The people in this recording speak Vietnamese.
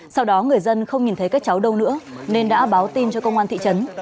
sau đó người dân không nhìn thấy các cháu đâu nữa nên đã báo tin cho công an thị trấn